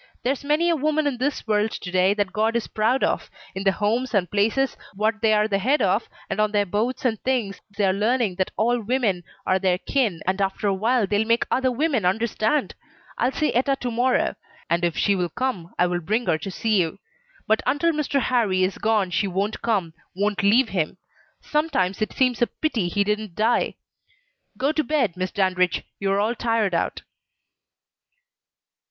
There's many a woman in this world to day that God is proud of; in the Homes and places what they're the head of, and on their boards and things they are learning that all women are their kin, and after a while they'll make other women understand. I'll see Etta to morrow, and if she will come I will bring her to see you. But until Mr. Harrie is gone she won't come won't leave him. Sometimes it seems a pity he didn't die. Go to bed, Miss Dandridge! you are all tired out."